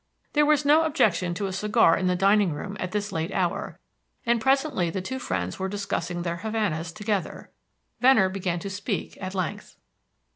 There was no objection to a cigar in the dining room at this late hour, and presently the two friends were discussing their Havanas together. Venner began to speak at length.